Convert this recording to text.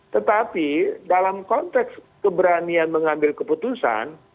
tetapi dalam konteks keberanian mengambil keputusan